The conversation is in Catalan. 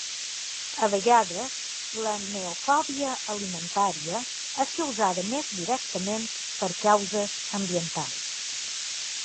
A vegades la neofòbia alimentària és causada més directament per causes ambientals.